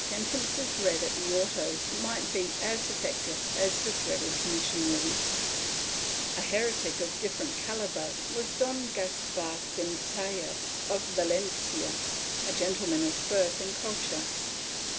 Ill] OCCASIONAL VICTIMS 453 sentences read at the autos might be as effective as the dreaded missionaries. A heretic of different calibre was Don Caspar Centellas of Valencia, a gentleman of birth and culture.